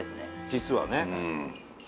実はね。